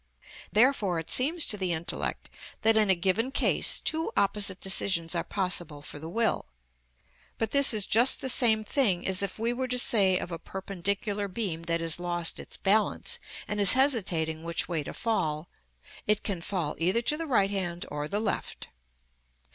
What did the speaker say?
Therefore it seems to the intellect that in a given case two opposite decisions are possible for the will. But this is just the same thing as if we were to say of a perpendicular beam that has lost its balance, and is hesitating which way to fall, "It can fall either to the right hand or the left."